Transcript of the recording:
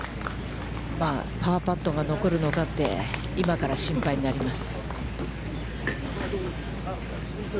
パーパットが残るのかって、今から心配になります。